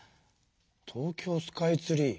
「東京スカイツリー」？